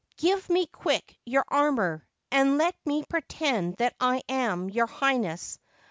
Give me quick your armour, and let me pretend that I am your Highness.